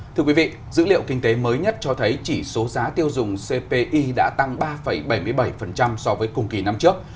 thưa quý vị dữ liệu kinh tế mới nhất cho thấy chỉ số giá tiêu dùng cpi đã tăng ba bảy mươi bảy so với cùng kỳ năm trước